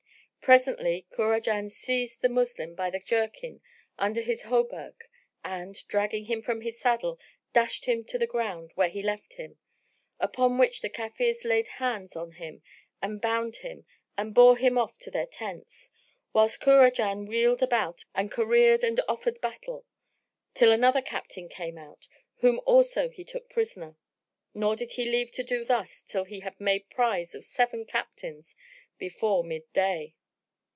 Presently Kurajan seized the Moslem by the jerkin under his hauberk and, dragging him from his saddle, dashed him to the ground where he left him; upon which the Kafirs laid hands on him and bound him and bore him off to their tents; whilst Kurajan wheeled about and careered and offered battle, till another captain came out, whom also he took prisoner; nor did he leave to do thus till he had made prize of seven captains before mid day.